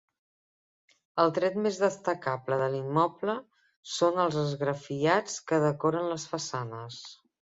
El tret més destacable de l'immoble són els esgrafiats que decoren les façanes.